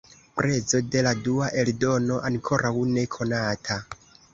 Prezo de la dua eldono ankoraŭ ne konata.